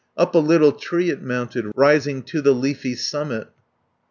150 Up a little tree it mounted, Rising to the leafy summit.